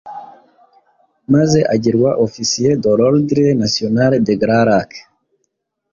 maze agirwa Officier de l’Ordre National des Grands-Lacs.